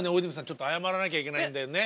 ちょっと謝らなきゃいけないんだよね。